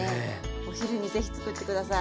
お昼にぜひつくって下さい。